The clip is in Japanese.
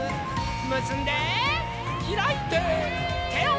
むすんでひらいててをうって。